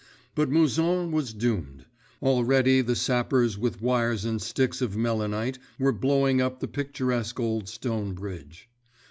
But Mouzon was doomed. Already the sappers with wires and sticks of melinite were blowing up the picturesque old stone bridge.